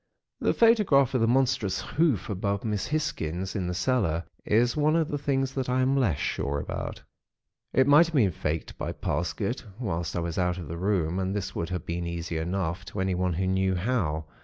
"The photograph of the monstrous hoof above Miss Hisgins in the cellar, is one of the things that I am less sure about. It might have been faked by Parsket, whilst I was out of the room, and this would have been easy enough, to anyone who knew how.